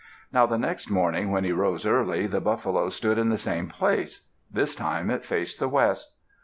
Now the next morning, when he arose early, the buffalo stood in the same place; this time it faced the west.